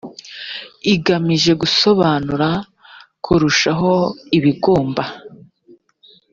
igamije gusobanura kurushaho ibigomba